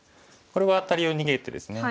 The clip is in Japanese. これはアタリを逃げてですね。